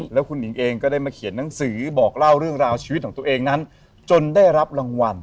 แล้วคุณหญิงเองก็ได้มาเขียนหนังสือบอกเล่าเรื่องราวชีวิตของตัวเองนั้นจนได้รับรางวัล